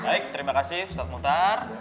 baik terima kasih ustadz muhtar